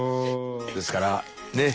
ですからねえ